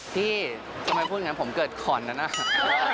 พี่ทำไมพูดอย่างนั้นผมเกิดขอนนั้นนะครับ